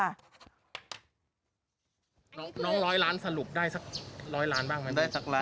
น้องร้อยล้านสรุปได้สักร้อยล้านบ้างไหมได้สักล้าน